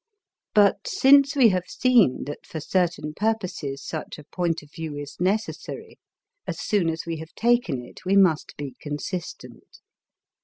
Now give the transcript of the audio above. But since we have seen that for certain purposes such a point of view is necessary, as soon as we have taken it we must be consistent.